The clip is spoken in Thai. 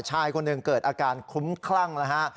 ชายคนหนึ่งเกิดอาการคุ้มคลั่งนะฮะ